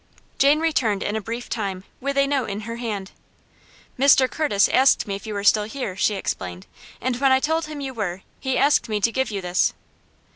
Jane returned in a brief time with a note in her hand. "Mr. Curtis asked me if you were still here," she explained, "and when I told him you were he asked me to give you this."